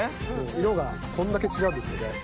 色がこんだけ違うんですよね。